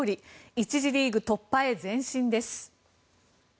１次リーグ突破へ前進です。